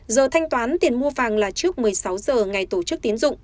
giờ thanh toán tiền mua vàng là trước một mươi sáu h ngày tổ chức tín dụng